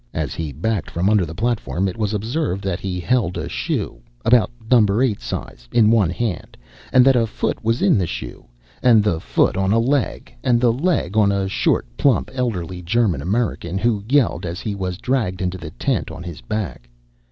As he backed from under the platform it was observed that he held a shoe about No. 8 size in one hand, and that a foot was in the shoe, and the foot on a leg, and the leg on a short, plump, elderly German American, who yelled as he was dragged into the tent on his back.